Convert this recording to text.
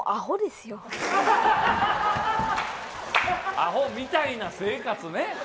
アホみたいな生活ね。